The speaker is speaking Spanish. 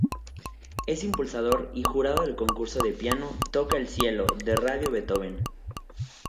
Es impulsor y jurado del concurso de piano "Toca el cielo" de Radio Beethoven.